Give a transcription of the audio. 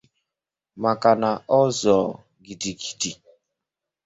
maka na ọ zụọ gidigidi